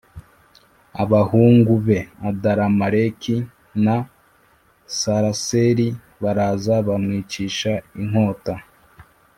abahungu be Adaramaleki na Saraseri baraza bamwicisha inkota,